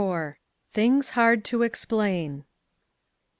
THINGS HARD TO EXPLAIN.